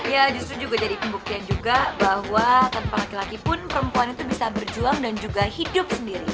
ya justru juga jadi pembuktian juga bahwa tanpa laki laki pun perempuan itu bisa berjuang dan juga hidup sendiri